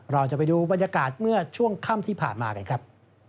เราจะไปดูบรรยากาศเมื่อช่วงค่ำที่ผ่านมากันครับ